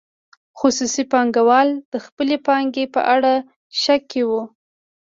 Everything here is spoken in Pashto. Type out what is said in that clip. خصوصي پانګوال د خپلې پانګې په اړه شک کې وو.